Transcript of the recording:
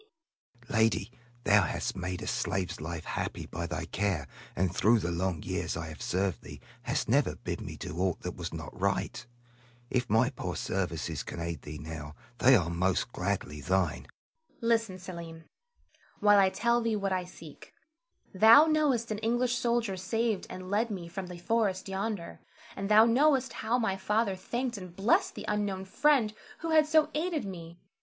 Selim. Lady, thou hast made a slave's life happy by thy care, and through the long years I have served thee, hast never bid me do aught that was not right. If my poor services can aid thee now, they are most gladly thine. Zara. Listen, Selim, while I tell thee what I seek. Thou knowest an English soldier saved and led me from the forest yonder, and thou knowest how my father thanked and blessed the unknown friend who had so aided me.